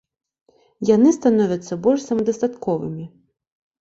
Яны становяцца больш самадастатковымі.